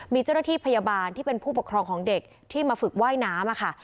มีเจ้าหน้าที่พยาบาลที่เป็นผู้ปกครองของเด็กที่มาฝึกว่ายน้ำค่ะ